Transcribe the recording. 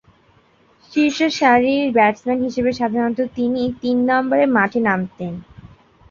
শীর্ষ সারির ব্যাটসম্যান হিসেবে সাধারণতঃ তিনি তিন নম্বরে মাঠে নামতেন।